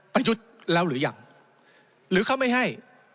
ประยุทธ์แล้วหรือยังหรือเขาไม่ให้